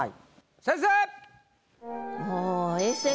先生！